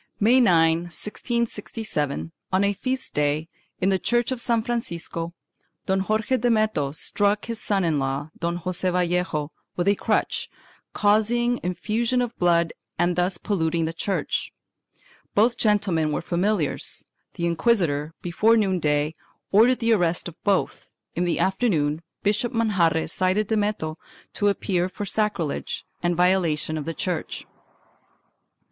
May 9, 1667, on a feast day, in the church of San Francisco, Don Jorje Dame to struck his son in law, Don Joseph Vallejo, with a crutch, causing effusion of blood and thus polluting the church. Both gentlemen were familiars. The inquisitor, before noon day, ordered the arrest of both; in the afternoon Bishop Manjarre cited Dameto to appear for sacrilege and violation of the church.